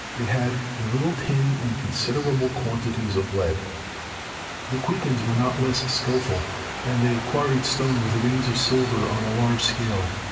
They had a little tin and considerable quantities of lead." The Quichuans were not less skilful, and they quarried stone with veins of silver on a large scale.